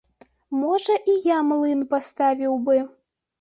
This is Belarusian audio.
Можа і я млын паставіў бы.